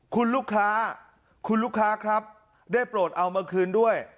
คุณลูกค้าคุณลูกค้าครับได้โปรดเอามาคืนด้วย